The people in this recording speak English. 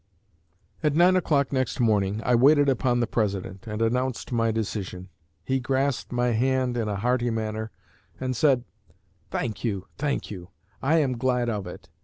"At nine o'clock next morning, I waited upon the President, and announced my decision. He grasped my hand in a hearty manner, and said: 'Thank you, thank you; I am glad of it.